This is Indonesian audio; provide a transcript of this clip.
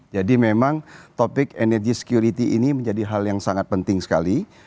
jadi memang topik energy security ini menjadi hal yang sangat penting sekali